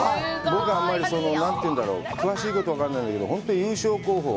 僕はあんまり何というのだろう、詳しいこと分からないんだけど、本当、優勝候補。